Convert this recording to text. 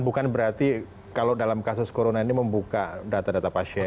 bukan berarti kalau dalam kasus corona ini membuka data data pasien